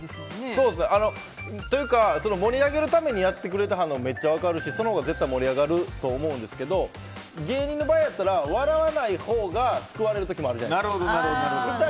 盛り上げるためにやってくれてはるのはめっちゃ分かるしそのほうが盛り上がるのは分かるけど芸人の場合やったら笑わないほうが救われる時もあるじゃないですか。